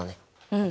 うん。